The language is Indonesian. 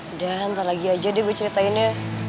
udah ntar lagi aja deh gue ceritainnya